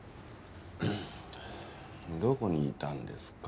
どこにいたんですか？